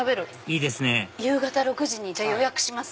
いいですね夕方６時に予約します。